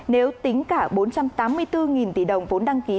nếu tính cả bốn trăm tám mươi bốn tỷ đồng vốn đăng ký